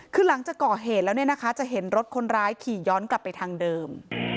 คือหลังจากก่อเหตุแล้วเนี่ยนะคะจะเห็นรถคนร้ายขี่ย้อนกลับไปทางเดิม